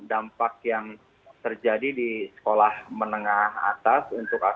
dampak yang terjadi di sekolah menengah atas untuk anak anak